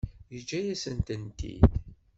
Yeǧǧa-yasen-tent-id.